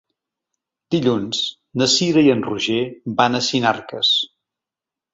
Dilluns na Cira i en Roger van a Sinarques.